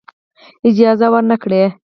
اجازه ورنه کړی.